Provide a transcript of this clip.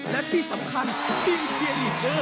และที่สำคัญทีมเชียร์ลีดเดอร์